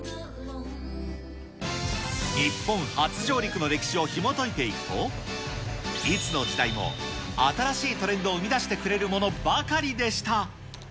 日本初上陸の歴史をひもといていくと、いつの時代も新しいトレンドを生み出してくれるものばかりでした。